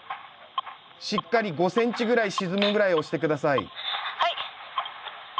しっかり５センチぐらい沈むぐらい押して下さい。